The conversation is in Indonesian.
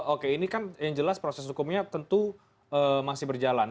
oke ini kan yang jelas proses hukumnya tentu masih berjalan